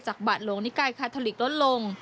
จากบัตรหลงนิกายคาทอลิกลดลง